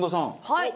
はい。